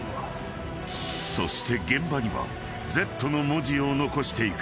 ［そして現場にはＺの文字を残していく］